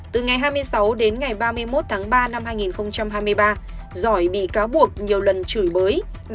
từ ngày hai mươi sáu đến ngày ba mươi một tháng ba năm hai nghìn hai mươi ba giỏi bị cáo buộc nhiều lần chửi bới